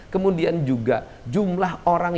kemudian juga jumlah orang